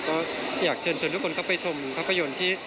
ก็อยากเชิญชวนทุกคนเข้าไปชมภาพยนตร์ที่